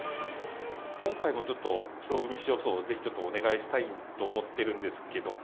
今回もちょっと勝負メシ予想をぜひちょっと、お願いしたいと思ってるんですけど。